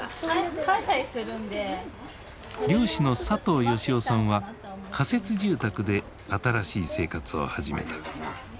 漁師の佐藤吉男さんは仮設住宅で新しい生活を始めた。